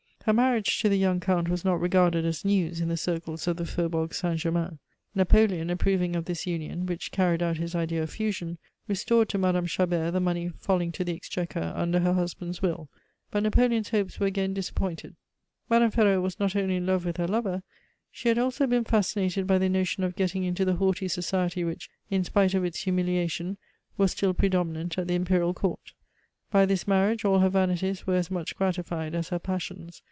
Her marriage to the young Count was not regarded as news in the circles of the Faubourg Saint Germain. Napoleon, approving of this union, which carried out his idea of fusion, restored to Madame Chabert the money falling to the Exchequer under her husband's will; but Napoleon's hopes were again disappointed. Madame Ferraud was not only in love with her lover; she had also been fascinated by the notion of getting into the haughty society which, in spite of its humiliation, was still predominant at the Imperial Court. By this marriage all her vanities were as much gratified as her passions.